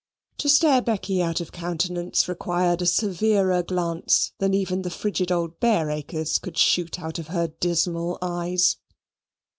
To stare Becky out of countenance required a severer glance than even the frigid old Bareacres could shoot out of her dismal eyes.